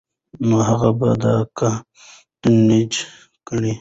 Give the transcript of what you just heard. نو هغه به دا کانټنجنټ ګڼي